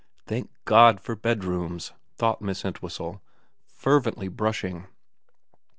Thank God for bedrooms, thought Miss Entwhistle, fervently brushing.